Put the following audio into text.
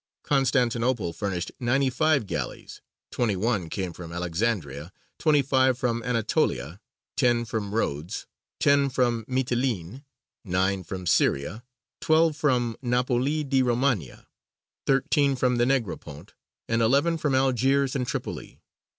Constantinople furnished ninety five galleys; twenty one came from Alexandria, twenty five from Anatolia, ten from Rhodes, ten from Mitylene, nine from Syria, twelve from Napoli di Romania, thirteen from the Negropont, and eleven from Algiers and Tripoli.